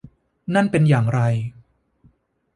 นั่นเป็นอย่างไร